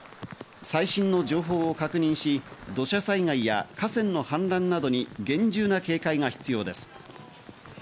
最新の情報を確認し土砂災害や河川の氾濫などに厳重な警戒が必要です。